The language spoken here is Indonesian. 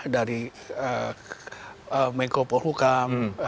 dari mengkopul hukum